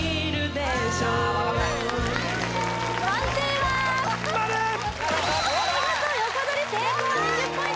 マルお見事横取り成功２０ポイント